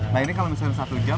nah ini kalau misalnya satu jam